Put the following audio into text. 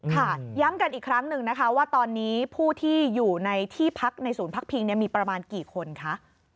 ย้ำกันอีกครั้งหนึ่งนะคะว่าตอนนี้ผู้ที่อยู่ในที่พักในศูนย์พักพิงมีประมาณกี่คนคะ